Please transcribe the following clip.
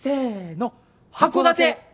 函館！